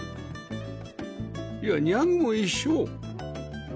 いやニャグも一緒！